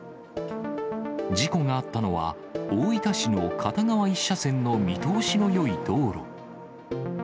事故があったのは、大分市の片側１車線の見通しのよい道路。